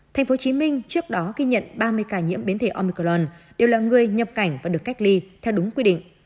tp hcm trước đó ghi nhận ba mươi ca nhiễm biến thể omiclan đều là người nhập cảnh và được cách ly theo đúng quy định